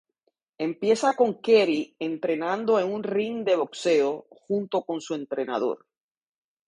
Empieza con "Keri" entrenando en un ring de boxeo, junto con su entrenador.